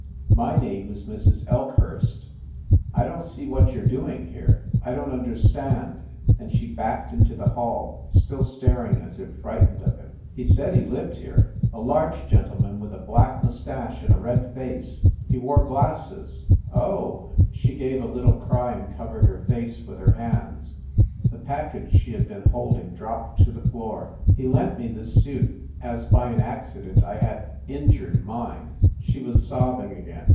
"My name is Mrs. Elkhurst I don t see what you re doing here I don t understand." And she backed into the hall, still staring as if frightened of him. "He said he lived here. A large gentleman with a black mustache and a red face he wore glasses" "Oh !" She gave a little cry and covered her face with her hands. The package she had been holding dropped to the floor. "He lent me this suit as by an accident I had injured mine." She was sobbing again.